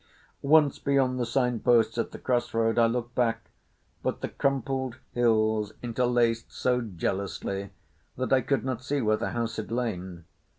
Once beyond the signposts at the cross roads I looked back, but the crumpled hills interlaced so jealously that I could not see where the house had lain.